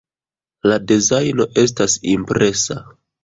La dezajno estas impresa.